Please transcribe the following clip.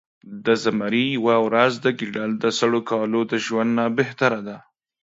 د زمري يؤه ورځ د ګیدړ د سلو کالو د ژؤند نه بهتره ده